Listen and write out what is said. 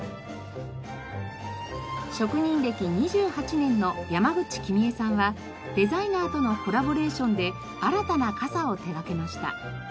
職人歴２８年の山口君枝さんはデザイナーとのコラボレーションで新たな傘を手掛けました。